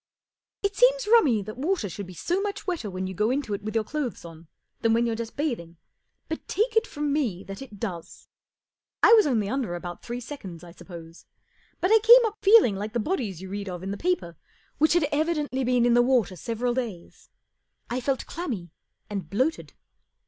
It seems rummy that water should be so much wetter when you go into it with your clothes on than when you're just bathing, but take it from me that it does, I w r as only under about three seconds, I suppose, but I came up feeling like the bodies you read of in the paper which ,f had evidently been in the water several days. " I felt clammy and bloated.